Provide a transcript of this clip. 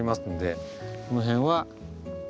この辺は。